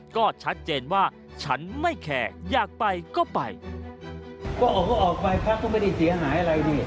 ก็ชัดเจนว่าฉันไม่แคร์อยากไปก็ไปก็โอ้ออกไปพักก็ไม่ได้เสียหายอะไรนี่